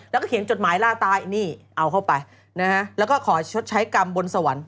แล้วก็เขียนจดหมายล่าตายนี่เอาเข้าไปนะฮะแล้วก็ขอชดใช้กรรมบนสวรรค์